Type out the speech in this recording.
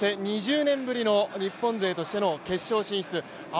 ２０年ぶりの日本勢としての決勝進出